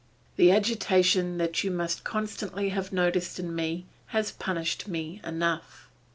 The agitation that you must constantly have noticed in me has punished me enough.